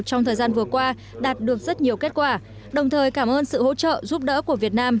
trong thời gian vừa qua đạt được rất nhiều kết quả đồng thời cảm ơn sự hỗ trợ giúp đỡ của việt nam